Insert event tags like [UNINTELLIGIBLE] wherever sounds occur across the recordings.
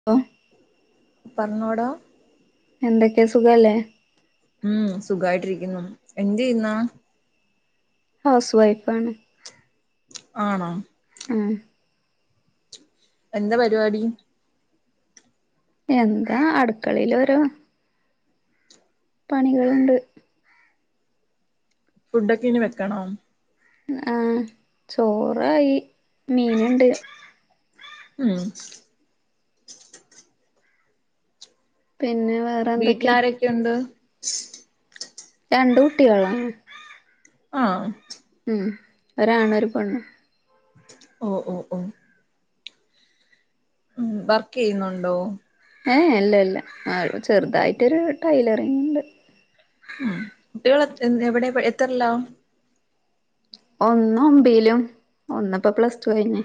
[UNINTELLIGIBLE] പർഞ്ഞോടൊ എന്തൊക്കെ സുഖവല്ലേ? ഉം സുഖായിട്ടിരിക്കുന്നു എന്തെയ്യുന്നു? ഹൗസ് വൈഫാണ്. ആണോ? ഉം എന്താ പരിപാടി? എന്താ അടുക്കളയിലോരോ പണികള്ണ്ട്. ഫുഡൊക്കെ ഇനി വെക്കണോ? ആഹ് ചോറായി മീന്ണ്ട്. ഉം. പിന്നെ വേറെ വീട്ടില് എന്തൊക്കെ ആരൊക്കെയുണ്ട്? രണ്ട് കുട്ടികളാ ആഹ് ഉം ഉം ഒരാണും ഒരു പെണ്ണും. ഓഹ് ഓഹ് ഓഹ് വർക്കെയ്യുന്നുണ്ടോ? ഏഹ് ഇല്ല ഇല്ല ആ ചെറുതായിട്ടൊരു ടൈലറിങ്ണ്ട്. ഉം കുട്ടികള് എവിടെ എത്രയില? ഒന്ന് ഒബീലും ഒന്ന് ഇപ്പൊ പ്ലസ് റ്റു കഴിഞ്ഞ്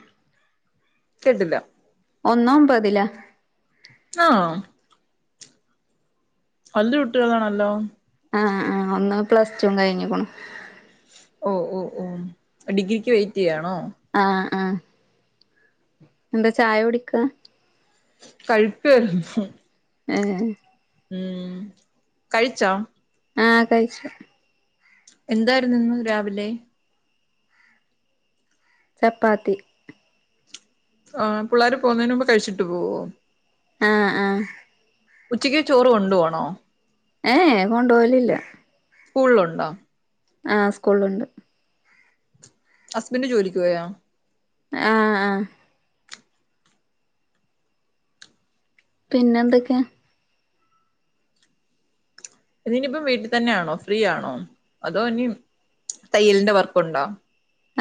കേട്ടില്ല ഒന്ന് ഒമ്പതിലാ ആണോ? വല്ല്യ കുട്ടികളാണല്ലോ? ആഹ് ആഹ് ഒന്ന് പ്ലസ് റ്റൂം കഴിഞ്ഞുക്കുണു. ഓഹ് ഓഹ് ഓഹ് ഡിഗ്രിക്ക് വെയിറ്റ് ചെയ്യാണോ? ആഹ് ആഹ് എന്ത ചായ കുടിക്ക? കഴിക്കേരുന്നു. ഏഹേ? ഉം കഴിച്ചോ? ആഹ് കഴിച്ചു എന്തായിരുന്നു ഇന്ന് രാവിലെ? ചപ്പാത്തി ആഹ് പിള്ളേര് പോകുന്നേന് മുമ്പ് കഴിച്ചിട്ട് പോവോ? ആഹ് ആഹ് ഉച്ചക്ക് ചോറ് കൊണ്ടു പോവണോ? ഏഹ് ഏഹേ കൊണ്ടോവലില്ല. സ്കൂളില് ഒണ്ടോ? ആഹ് സ്കൂള്ള്ണ്ട്. ഹസ്ബൻഡ് ജോലിക്ക് പോയോ? അ ആഹ് ആഹ് പിന്നെന്തൊക്കെ? ഇതിനിപ്പം വീട്ടിത്തന്നെയാണോ ഫ്രീ ആണോ അതോ ഇനി തയ്യലിന്റെ വർക്കുണ്ടോ?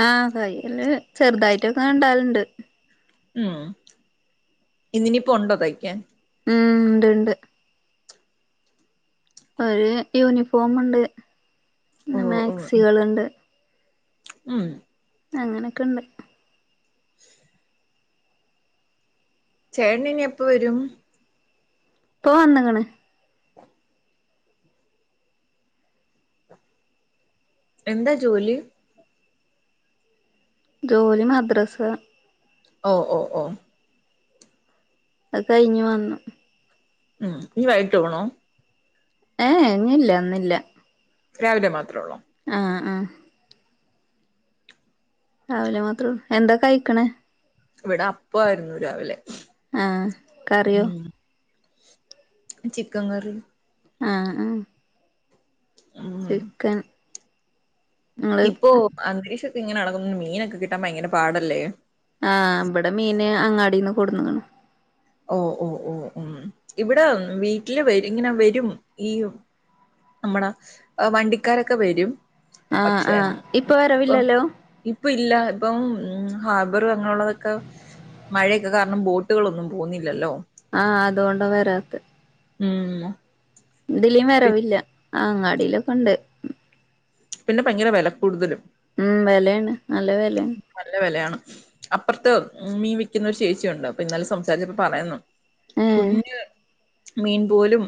ആഹ് തയ്യല് ചെറുതായിട്ടൊക്കെ ഇണ്ടാകലുണ്ട്. ആഹ് ഇന്നിനിപ്പൊ ഒണ്ടോ തയ്ക്കാൻ. ഉം ഇണ്ട് ണ്ട് ഒരു യൂനിഫോമ്ണ്ട് ഓ പിന്നെ ഓ മേക്സികള്ണ്ട് ഉം അങ്ങനെക്കെണ്ട് [INAUDIBLE] ചേട്ടന് ഇനി എപ്പൊ വരും? ഇപ്പൊ വന്ന്ക്ണ്‌ എന്താ ജോലി? ജോലി മദ്രസ ഓ ഓ ഓ അത് കഴിഞ്ഞു വന്നു ഉം ഇഞ്ഞി വൈകിട്ട് പോണോ? ഏ ഹേ ഞ്ഞില്ല ന്നില്ല രാവിലെ മാത്രൊള്ളോ? ആഹ് ആഹ് രാവിലെ മാത്രൊള്ളൂ എന്താ കഴിക്കണേ? ഇവിടെ അപ്പായിരുന്നു രാവിലെ ആഹ് കറിയോ? ഉം ചിക്കൻ കറി ആഹ് ആഹ് ഉം ചിക്കൻ നിങ്ങള് ഇപ്പൊ അന്തരീക്ഷക്കെ ഇങ്ങനെ എളക്കു മീനൊക്കെ കിട്ടാൻ ഭയങ്കര പാടല്ലേ ആഹ് ഇബടെ മീന് അങ്ങാടിന്ന് കൊട്ന്ന്ക്ണ് ഓ ഓ ഓ ഉം ഇവ്ടെ വീട്ടില് വരിങ്ങനെ വരും ഈ നമ്മട വണ്ടിക്കാരൊക്കെ വരും ആഹ് പക്ഷെ ആഹ് ഇപ്പൊ വരവില്ലല്ലോ ഇപ്പ ഇല്ല ഇപ്പം ഉം ഹാബറ് അങ്ങനെയുള്ളതൊക്കെ മഴയൊക്കെ കാരണം ബോട്ടുകളൊന്നും പോവുന്നില്ലല്ലോ ആഹ് അതോണ്ട വരാത്ത് ഉം അ ഇതിലീം വരവില്ല അങ്ങാടിലൊക്കെണ്ട് പിന്നെ ഭയങ്കര വെല ക്കൂടുതലും ഉം വെലേണ് നല്ല വെലേണ് നല്ല വെലയാണ് അപ്പൊർത്ത് മീൻ വിക്കുന്നൊരു ചേച്ചിയുണ്ട് അപ്പൊ ഇന്നാലെ സംസാരിച്ചപ്പൊ പറയുന്നു ഏഹ് കുഞ്ഞ് മീൻ പോലും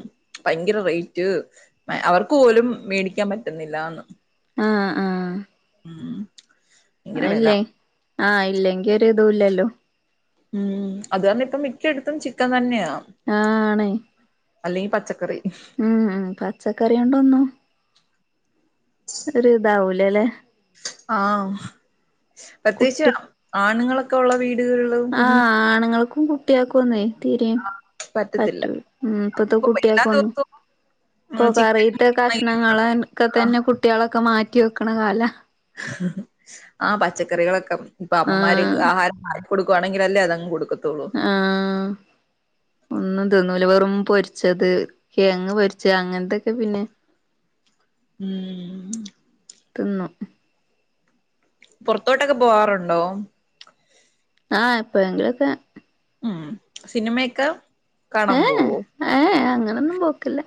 ഭയങ്കര റെയ്റ്റ് മേ അവർക്ക് പോലും മേടിക്കാൻ പറ്റുന്നില്ലാന്ന് ആഹ് ആഹ് ഉം ഭയങ്കര വെല അഎല്ലേ ആയില്ലെങ്കി ഒരു തുല്ലല്ലോ ഉം അതു കാരണം ഇപ്പം മിക്കയിടത്തും ചിക്കൻ തന്നെയാ ആഹ് ആണേയ് അല്ലെങ്കി പച്ചക്കറി ഉം പച്ചക്കറിണ്ടൊന്നു ഒര് ഇത് ആവുലല്ലേ ആഹ പ്രത്യേകിച്ച് കുട്ടി ആണുങ്ങളൊക്കെ ഒള്ള വീടുകൾ ആഹ് ആണുങ്ങൾക്കും കുട്ടികൾക്കുമോനുവേ തീരിം പറ്റത്തില്ല പറ്റൂ ഉം ഇപ്പത്തെ ഇപ്പൊ എല്ലാ കുട്ടിയക്കെന്നു ദിവസവും പ്പൊ [INAUDIBLE] ചിക്കൻ കറിത്തെ കഷ്ണങ്ങക്കെ ആഹ് തന്നെ കുട്ടികളൊക്കെ മാറ്റി വെക്കണ കാല ആഹ പച്ചക്കറികളൊക്കെ പ്പൊ അമ്മമാര് ആഹ് ആഹാരം കൊടുവാണെങ്കിൽല്ലേ അതങ് കൊടുക്കതൊള്ളൂ ആാാ ഒന്നും തിന്നൂല വെറും പൊരിച്ചത് കേങ്ങ് പൊരിച്ച അങ്ങനത്തെക്കെ പിന്നെ [INAUDIBLE] ഉം തിന്നു പുറത്തോട്ടൊക്കെ പോവാറുണ്ടോ ആഹ് എപ്പോഴെങ്കിലും ഒക്കെ ഉം സിനിമയൊക്കെ കാണാൻ പോവോ ഏഹ അങ്ങനൊന്നും പോക്കില്ല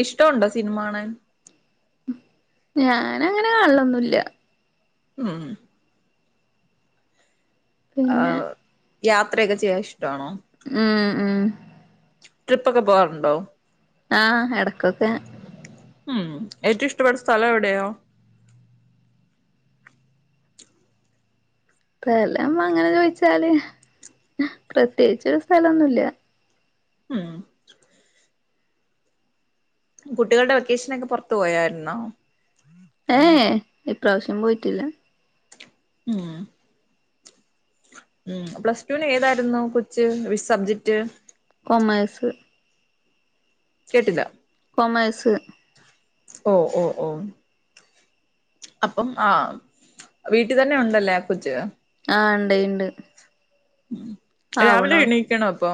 ഇ ഇഷ്ടുണ്ടോ സിനിമ കാണാൻ ഞാന് അങ്ങനെ കാണാലോന്നുമില്ല മ്മ് പിന്നെ ആഹ് യാത്രയൊക്കെ ചെയ്യാൻ ഇഷ്ടാണോ മ് മ്മ് ട്രിപ്പ്ക്കെ പോകറുണ്ടോ ആഹ് എടക്കൊക്കെ ഉം ഏറ്റവും ഇഷ്ടപ്പെട്ട സ്ഥലം എവിടെയോ സ്ഥലം അങ്ങനെ ചോദിച്ചാല് പ്രത്യേകിച് സ്ഥലംഒന്നുമില്ല മ് കുട്ടികളുടെ വെക്കേഷന ഒക്കെ പുൊറത്ത് പോയായിരുന്നോ ഏ ഇപ്രാവശ്യം പോയിട്ടില്ല ഉം ഉ പ്ലസ്ടുന് ഏതായിരുന്നു കൊച്ച് വി സബ്ജക്ട് കൊമേഴ്സ് കേട്ടില്ല കൊമഴ്സ് ഓ ഓ ഓ അപ്പം ആഹ വീട്ടിൽ തന്നെ ഉണ്ടല്ലേ ആ കൊച്ച് ആഹ ഉണ്ട് ഉണ്ട് ഉ രാവിലെ എണീക്കണ അപ്പൊ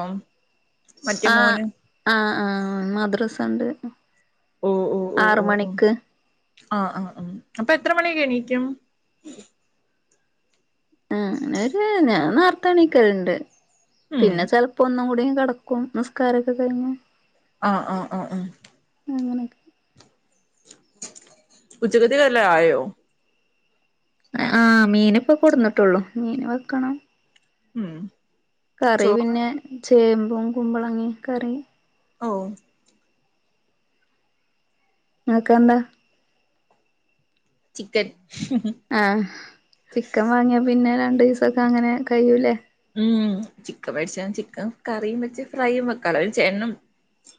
മറ്റേ ആഹ മോന് ആഹ ആഹ മദ്രസ ഉണ്ട് ആറ് മണിക്ക് ആഹ ആഹ ആഹ അപ്പൊ എത്ര മണിക്ക് എണീക്കും ആഹ അങ്ങനെര് ഞാൻ നാർത്തണിക്കരുണ്ട് ഉം പിന്നെ ചെിലപ്പോ ഒന്നും കൂടി കിടക്കും നമസ്കാരൊക്കെ കഴിഞ്ഞു ആഹ ആഹ ആഹ ആഹ അങ്ങനെയൊക്കെ ഉച്ചക്കത്തേക്ക് വല്ല ആയോ ആഹ് മീന് ഇപ്പൊ കൊടുന്നിട്ടുള്ളൂ മീൻ വെക്കണം ഉം കറി ചോറ് പിന്നെ ചേമ്പും കുമ്പളങ്ങെ കറി ഓ നിങ്ങക്ക് എന്താ ചിക്കൻ ആഹ് ചിക്കൻ വാങ്ങിയാ പിന്നെ രണ്ടു ദിവസൊക്കെ അങ്ങനെ കഴിയൂല്ലേ ഉം ചിക്കൻ മേടിച്ചാ ചിക്കൻ കറിയും വെച്ച് ഫ്രൈ വെക്കാലോ വിചാരിച്ചു എന്നും -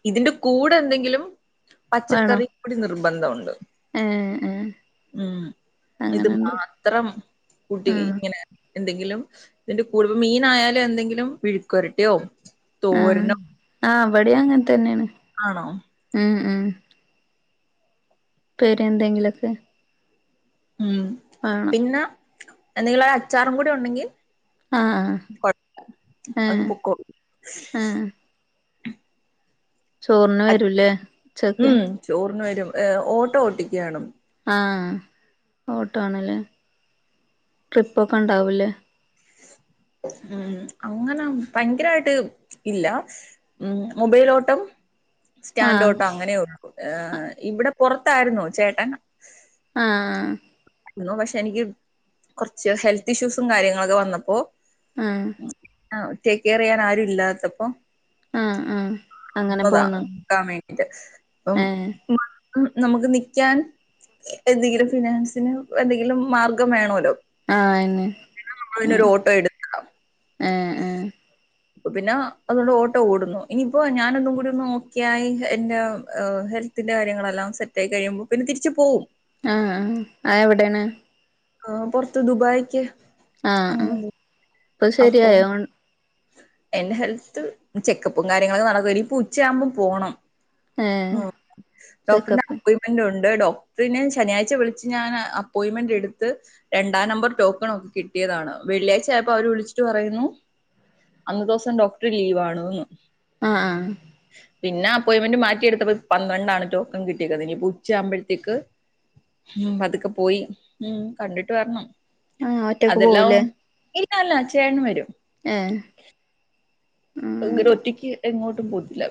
ഇതിന്റെ കൂടെ എന്തെങ്കിലും വേണോ പച്ചക്കറി കൂടി നിർബന്ധമുണ്ട് ഏഹ് ഏഹ് ഉം ഇത് അങ്ങനെണ്ട് ആ അസ്ത്രം കുട്ടി ആഹ് ഇങ്ങനെ എന്തെങ്കിലും- പോലും മീനായാലും എന്തെങ്കിലും വിഴുക്കുരട്ടിയോ ആഹ് തോരനോ- ആഹ് അവിടെയാ അങ്ങനെ തന്നെയാണ് ആണോ ആഹ് ആഹ് ഉപ്പേരി എന്തെങ്കിലുമൊക്കെ ഉം ആഹ് പിന്നെ എന്തെങ്കിലൊരു അച്ചാറും കൂടി ഉണ്ടെങ്കിൽ- ആഹ് കൊഴപ്പവില്ല അതങ്ങ് ആഹ് പൊക്കോളും ആഹ് ചോറിന് അ- വെരൂല്ലേ ഉച്ചക്ക് ഉം ചോറിന് വെരും ഓട്ടോ ഓട്ടിക്കാണ് ആ ഓട്ടോ ആണ് ഇല്ലേ ട്രിപ്പൊക്കെ ഉണ്ടാവൂല്ലേ ഉം അങ്ങനെ ഭയങ്കരായിട്ട് ഇല്ല ഉം മൊബയില് ഓട്ടം സ്റ്റാൻഡ് ആഹ് ഓട്ടം അങ്ങനെ ഉള്ളു ഇവിടെ പൊറത്തായിരുന്നു ചേട്ടൻ ആഹ് ആഹ് ആരുന്നു പക്ഷെ എനിക്ക് കൊറച്ച് ഹെൽത്ത് ഇഷ്യൂസും കാര്യങ്ങളൊക്കെ വന്നപ്പോ- ആഹ് ആഹ് ടേക്ക് കെയർ ചെയ്യാൻ ആരുമില്ലാത്തപ്പം ആഹ് ആഹ് അങ്ങനെ വന്നതാ പോന്നു നിക്കാൻ വേണ്ടിട്ട് അപ്പം- ഏഹ് നമുക്ക് നിക്കാൻ എന്തെങ്കിലും ഫിനാൻസിന് എന്തെങ്കിലും മാർഗം വേണോല്ലോ ആഹ് ഇന്ന് ഉം നമ്മളതിനൊരു ഓട്ടോ എടുക്കാം ഏ ഏ അപ്പ പിന്നെ അതുകൊണ്ട് ഓട്ടോ ഓടുന്നു ഇനിയിപ്പോ ഞാനൊന്നും കൂടി ഒന്ന് ഓക്കെ ആയി എന്റെ ഹെൽത്ത് - ത്തിന്റെ കാര്യങ്ങളെല്ലാം സെറ്റായി കഴിയുമ്പോ പിന്നെ തിര്ച്ച്പോവും ആഹ് ആഹ് അത് എവിടെയാണ് ആഹ് പൊറ്ത്ത് ദുബായ്ക്ക് ആഹ് ആഹ് ഇപ്പൊ അപ്പോ ശരിയായോ വൺ - എന്റെ ഹെൽത്ത് ചെക്കപ്പും കാര്യങ്ങളൊക്കെ നടന്നു വരുന്നു ഇനി ഇപ്പൊ ഉച്ചയാകുമ്പം പോണം ഏഹ് ആ ഡോക്ടന്റെ ചെക്കപ്പ് അപ്പൊയി - ഹസ്ബന്റുണ്ട് ഡോക്ടറിനെ ശനിയാഴ്ച വിളിച്ച് ഞാൻ അപ്പോയിന്റ്മെന്റ് എടുത്ത്- രണ്ടാം നമ്പർ ടോക്കൺ ഒക്കെ കിട്ടിയതാണ് വെള്ളിയാഴ്ച ആയപ്പോ അവര് വിളിച്ചിട്ട് പറയുന്നു- അന്നത്തെ ദിവസം ഡോക്ടർ ലീവ് ആണ്ന്ന് ആഹ് ആഹ് പിന്നെ അപ്പോയിന്റ്മെന്റ് മാറ്റിയേടുത്തപ്പോ പന്ത്രണ്ടാണ് ടോക്കൻ കിട്ടിയത് ഇനിപ്പോ ഉച്ച ആകുമ്പോഴത്തേക്ക്- ഉം പതുക്കെ പോയി ഉം കണ്ടിട്ട് വരണം ആഹ് ഒറ്റക്ക് അതെല്ലാ പോവൂലേ ഇല്ലല്ല ചേട്ടനും വരും ഏഹ് ഉം അങ്ങനെ ഒറ്റക്ക് എങ്ങോട്ടും പോയിട്ടില്ല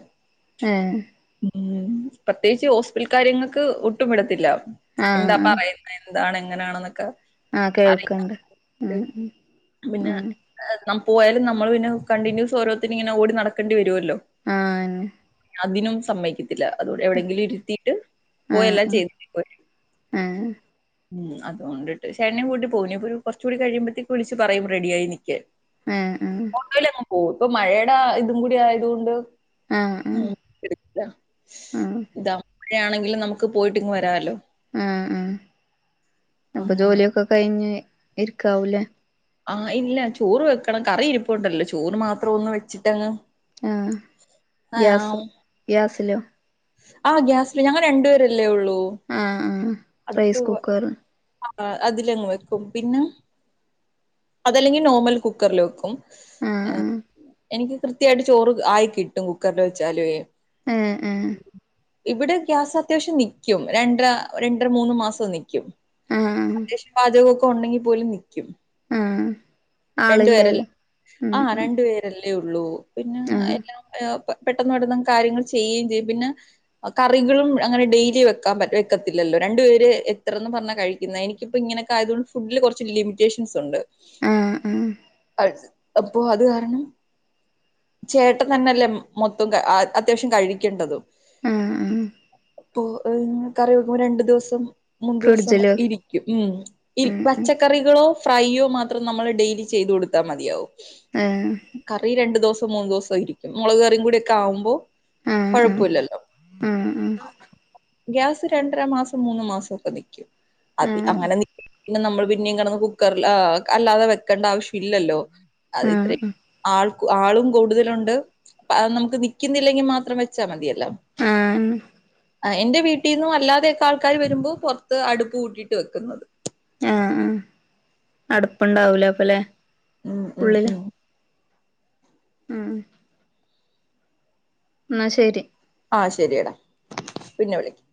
ഏഹ് ഉം പ്രത്യേകിച്ച് ഹോസ്പിറ്റൽ കാര്യങ്ങൾക്ക് ഒട്ടും വിടത്തില്ല ആഹ് എന്താ ആഹ് പറയു എന്താണ് എങ്ങനെയാണെന്നൊക്കെ ആഹ് അറിയാൻ കേൾക്ക്ണ്ട് ഉം വേണ്ടീട്ട് ഉം പിന്ന പോയാലും നമ്മള് പിന്നെ കണ്ടിന്യൂസ് ഓരോരുത്തിന് ഇങ്ങനെ ഓടി നടക്കേണ്ടി വരുല്ലോ ആഹ് അന്നെ അതിനും സമ്മയ്ക്കത്തില്ല അതുകൊണ്ട് എവിടെങ്കിലും ഇരുത്തിട്ട് പോയെല്ലാം ചെയ്ത് ഏഹ് ഉം അതുകൊണ്ടിട്ട് പക്ഷെ ചേട്ട്നേം കൂട്ടി പോകും ഇനിപ്പൊരു കൊറച്ചൂടി കഴിയ്പത്തേക്ക് വിളിച്ച് പറയും റെഡിയായി നിക്കാൻ ഏഹ് ആഹ് അയിലങ്ങ് പോകും ഇപ്പ മഴയുടെ ഇതും കൂടി ആയതോണ്ട് ആഹ് ആഹ് ഉം ഇട്താ ആഹ് ആഹ് [UNINTELLIGIBLE] ആണെങ്കിലും നമുക്ക് പോയിട്ട് ഇങ്ങ് വരാലോ ആഹ് ആഹ് അപ്പൊ അങ്ങനെ. ജോലിയൊക്കെ കഴിഞ്ഞ് ഇരിക്കാവൂല്ലേ ആഹ് ഇല്ല ചോറ് വെക്കണം കറി ഇരിപ്പുണ്ടല്ലോ ചോറ് മാത്രം ഒന്ന് വെച്ചിട്ടങ്ങ് ആ ഗ്യാസ് ഗ്യാസിലോ ആ ഗ്യാസില് ഞങ്ങൾ രണ്ടുപേരല്ലേ ഉള്ളൂ ആഹ് ആഹ് റൈസ്കുക്കറ് ആ അതിലങ്ങ് വെക്കും പിന്നെ അതല്ലെങ്കി നോർമൽ കുക്കറിൽ വെക്കും ആഹ് ആഹ് എനിക്ക് കൃത്യമായിട്ട് ചോറ് ആയി കിട്ടും കുക്കറിൽ വെച്ചാലുവേ ആഹ് ആഹ് ഇവിടെ ഗ്യാസ് അത്യാവശ്യം നിക്കും രണ്ട് രണ്ടര മൂന്ന് മാസം നിക്കും ആഹ് അത്യാവശ്യം പാചകമൊക്കെ ഉണ്ടെങ്കിൽ പോലും നിക്കും ആഹ് രണ്ടു പേരെല്ല ആളില്ലല്ലോ ആ ഉം ഉം രണ്ടു പേരെല്ലേ ഉള്ളൂ പിന്നെ ആഹ് എല്ലാം പെട്ടെന്ന് പെട്ടന്ന് കാര്യങ്ങള് ചെയ്യുകയും ചെയ്യും പിന്നെ കറികളും അങ്ങനെ ഡെയ്ലി വെക്കാൻ വെക്കത്തില്ലല്ലോ രണ്ടു പേര് എത്രേന്ന് പറഞ്ഞാ കഴിക്കുന്ന പ്പ ഇങ്ങനൊക്കെ ആയതു കൊണ്ട് ഫുഡില് കുറച്ച് ലിമിറ്റേഷൻസ് ഉണ്ട് ആഹ് ആഹ് അപ്പൊ അത് കാരണം ചേട്ടൻ തന്നെല്ലേ മൊത്തം അത്യാവശ്യം കഴിക്കേണ്ടതും ആഹ് ആഹ് അപ്പൊ കറി വെക്കുമ്പോ രണ്ടു ദിവസം മുന്ന് ദിവസം ഫ്രിഡ്ജില് ഇരിക്കും ഉം ഇ ഉം പച്ച ഉം കറികളോ ഫ്രൈയോ മാത്രം നമ്മള് ഡെയ്‌ലി ചെയ്ത് കൊടുത്താൽ മതിയാവും ആഹ് കറി രണ്ടൂസം മൂന്നൂസം ഇരിക്കും മുളക് കറീം കൂടി ഒക്കെ ആവുമ്പോ ആഹ് ആഹ് കുഴപ്പമില്ലല്ലോ ആഹ് ആഹ് ഗ്യാസ് രണ്ടര മാസം മൂന്ന് മാസം ഒക്കെ നിക്കും അതി ആഹ് അങ്ങനെ ന പിന്നെ നമ്മൾ പിന്നെയും കെടന്ന് കുക്കറിൽ അല്ലാതെ വെക്കണ്ട ആവശ്യം ഇല്ലല്ലോ അത് ആഹ് ഇത്രയും ആഹ് ആൾ ആളും കൂടുതലുണ്ട് അപ്പ അത് നമുക്ക് നിക്കുന്നില്ലെങ്കിൽ മാത്രം വെ ച്ചാ മതിയല്ലോ ആഹ് ആഹ് എന്റെ വീട്ടീന്നും അല്ലാതെയൊക്കെ ആൾക്കാര് വരുമ്പോ പുറത്ത് അടുപ്പ് കൂട്ടിയിട്ട് വെക്കുന്നത് നടുപ്പുണ്ടാവൂല അപ്പ ലെ ഉം ഉം ഉള്ളില് ഉം ഉം എന്ന ശരി ആഹ് ശരിയടാ പിന്നെ വിളിക്ക്